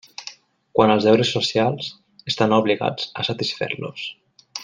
Quant als deures socials, estan obligats a satisfer-los.